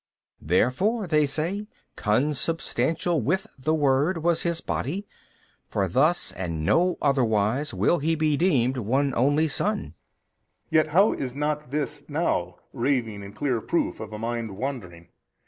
B. Therefore (they say) consubstantial with the Word was His body, for thus and no otherwise will He be deemed One Only Son. A. Yet how is not this now raving and clear proof of a mind wandering?